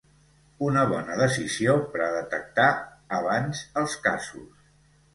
Una bona decisió per a detectar abans els casos.